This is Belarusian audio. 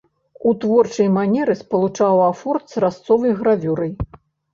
У творчай манеры спалучаў афорт з разцовай гравюрай.